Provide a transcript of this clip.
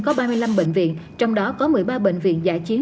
có ba mươi năm bệnh viện trong đó có một mươi ba bệnh viện giả chiến